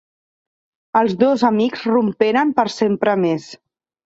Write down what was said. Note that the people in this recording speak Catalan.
Els dos amics romperen per sempre més.